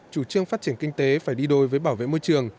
chủ trương phát triển kinh tế phải đi đôi với bảo vệ môi trường